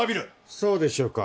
そうでしょうか？